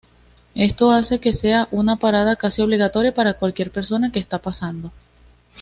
Esto hace que sea una parada casi obligatoria para cualquier persona que está pasando.